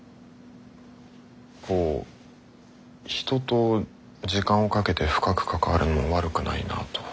こう人と時間をかけて深く関わるのも悪くないなと。